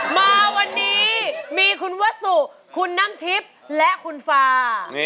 มาวันนี้มีคุณวสุคุณน้ำทิพย์และคุณฟา